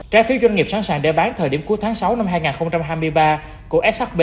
trái phiếu doanh nghiệp sẵn sàng để bán thời điểm cuối tháng sáu năm hai nghìn hai mươi ba của shb